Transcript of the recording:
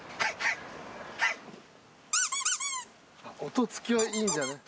音付きはいいんじゃない？